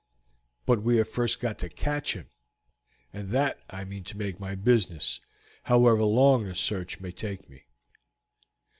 But we have first got to catch him, and that I mean to make my business, however long the search may take me."